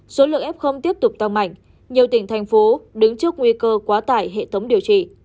số lượng f tiếp tục tăng mạnh nhiều tỉnh thành phố đứng trước nguy cơ quá tải hệ thống điều trị